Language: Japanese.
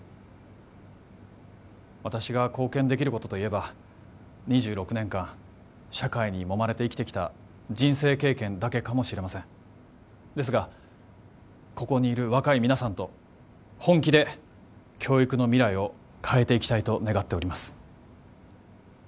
私が貢献できることといえば２６年間社会にもまれて生きてきた人生経験だけかもしれませんですがここにいる若い皆さんと本気で教育の未来を変えていきたいと願っております